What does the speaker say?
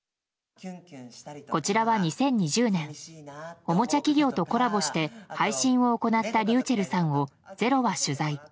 こちらは２０２０年おもちゃ企業とコラボして配信を行ったｒｙｕｃｈｅｌｌさんを「ｚｅｒｏ」は取材。